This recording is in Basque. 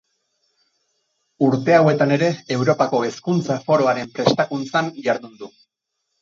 Urte hauetan ere Europako Hezkuntza Foroaren prestakuntzan jardun du.